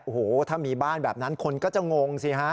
โอ้โหถ้ามีบ้านแบบนั้นคนก็จะงงสิฮะ